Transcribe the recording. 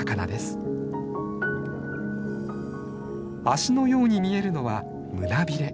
足のように見えるのは胸びれ。